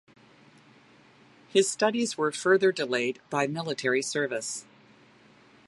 His studies were further delayed by military service.